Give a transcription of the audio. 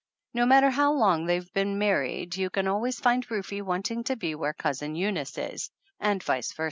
No matter how long they have been married you can always find Rufe wanting to be where Cousin Eunice is, and vice versa.